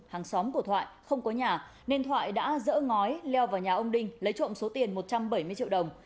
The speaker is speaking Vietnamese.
hàng xóm của thoại không có nhà nên thoại đã dỡ ngói leo vào nhà ông đinh lấy trộm số tiền một trăm bảy mươi triệu đồng